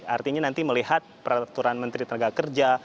artinya nanti melihat peraturan menteri tenaga kerja